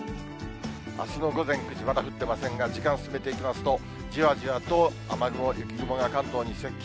あすの午前９時、まだ降っていませんが時間を見てみますと、じわじわと雨雲、雪雲が関東に接近。